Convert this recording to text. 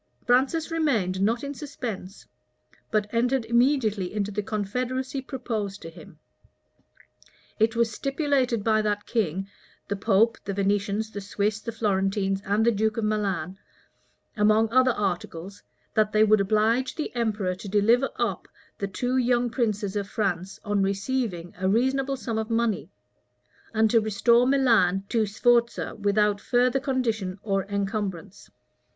Francis remained not in suspense; but entered immediately into the confederacy proposed to him. It was stipulated by that king, the pope, the Venetians, the Swiss, the Florentines, and the duke of Milan, among other articles, that they would oblige the emperor to deliver up the two young princes of France on receiving a reasonable sum of money; and to restore Milan to Sforza, without further condition or encumbrance.